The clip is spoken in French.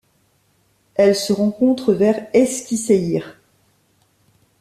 Elle se rencontre vers Eskişehir.